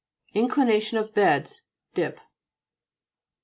INCLINATION OF BEDS Dip (p.